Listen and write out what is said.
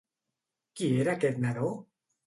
Qui era aquest nadó?